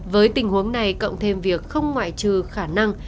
với tình huống này cộng thêm việc không ngoại trừ khả năng